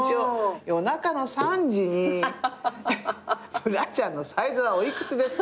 夜中の３時に「ブラジャーのサイズはお幾つですか？」